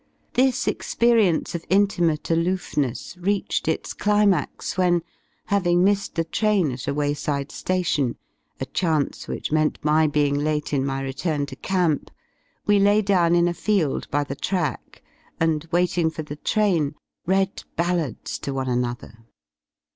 This experience of intimate aloofness reached its climax when, having missed the train at a wayside Nation — a chance which meant my being late in my return to Camp — ^we lay down in a field by the track and, waiting for the train, read ballads to one another.